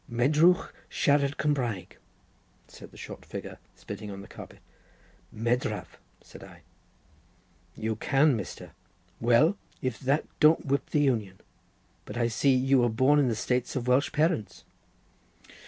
"Medrwch siarad Cumraeg?" said the short figure, spitting upon the carpet. "Medraf," said I. "You can, Mr.! Well, if that don't whip the Union. But I see: you were born in the States of Welsh parents."